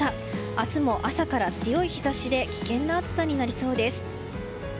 明日も朝から強い日差しで危険な暑さになりそうです。